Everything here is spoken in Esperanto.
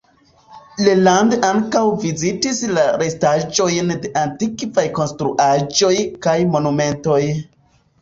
Leland ankaŭ vizitis la restaĵojn de antikvaj konstruaĵoj kaj monumentoj.